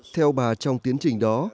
theo bà trong tiến trình đó